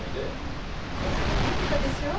ご覧になってたでしょう？